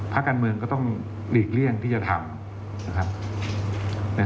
ภาคการเมืองก็ต้องหลีกเลี่ยงที่จะทำ